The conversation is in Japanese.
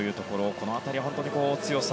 この辺りは本当に強さ。